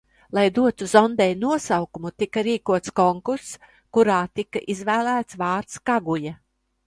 Lai dotu zondei nosaukumu, tika rīkots konkurss, kurā tika izvēlēts vārds Kaguja.